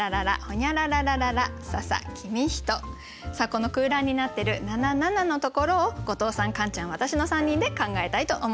この空欄になってる七七のところを後藤さんカンちゃん私の３人で考えたいと思います。